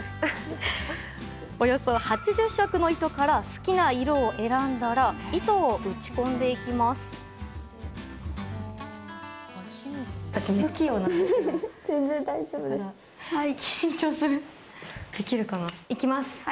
およそ８０色の糸から好きな色を選んだら糸を打ち込んでいきます。